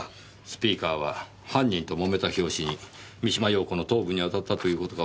スピーカーは犯人と揉めた拍子に三島陽子の頭部に当たったという事かもしれませんねぇ。